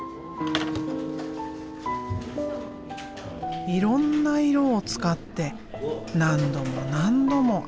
いろんな色を使って何度も何度も編み続ける。